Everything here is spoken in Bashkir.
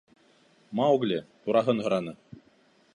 — Маугли тураһын һораны.